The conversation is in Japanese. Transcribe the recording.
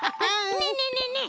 ねえねえねえねえ！